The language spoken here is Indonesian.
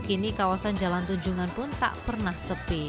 kini kawasan jalan tujungan pun tak pernah dikenal